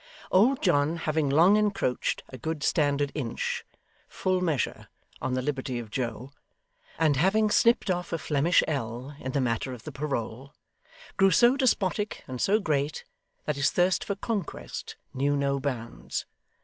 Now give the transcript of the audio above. Old John having long encroached a good standard inch, full measure, on the liberty of Joe, and having snipped off a Flemish ell in the matter of the parole, grew so despotic and so great, that his thirst for conquest knew no bounds.